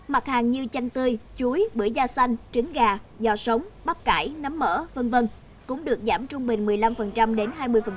mặt hàng như chanh tươi chuối bưởi da xanh trứng gà giò sống bắp cải nấm mỡ v v cũng được giảm trung bình một mươi năm đến hai mươi